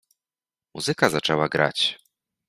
Muzyka zaczęła grać.